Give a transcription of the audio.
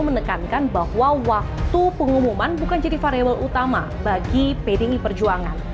menekankan bahwa waktu pengumuman bukan jadi variable utama bagi pdi perjuangan